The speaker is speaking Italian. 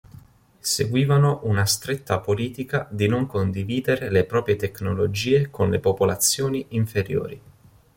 Seguivano una stretta politica di non condividere le proprie tecnologie con le popolazioni "inferiori".